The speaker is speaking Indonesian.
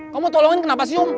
kamu tolongin kenapa sih um